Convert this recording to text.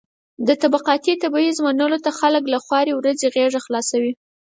د طبقاتي تبعيض منلو ته خلک له خوارې ورځې غېږه خلاصوي.